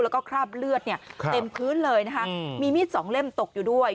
แล้วก็คราบเลือดเนี่ยเต็มพื้นเลยนะคะมีมีดสองเล่มตกอยู่ด้วย